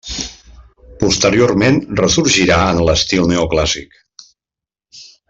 Posteriorment, ressorgirà en l'estil neoclàssic.